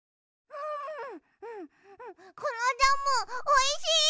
うんうんこのジャムおいしい！